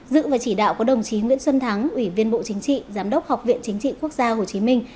dự và chỉ đạo có đồng chí nguyễn xuân thắng ủy viên bộ chính trị giám đốc học viện chính trị quốc gia hồ chí minh